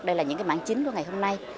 đây là những mảng chính của ngày hôm nay